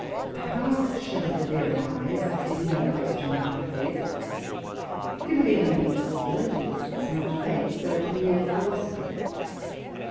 48 How shall the dead arise, is no question of my Faith; to believe only possibilities, is not Faith, but meer Philosophy.